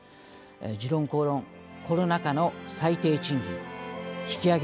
「時論公論」コロナ禍の最低賃金引き上げ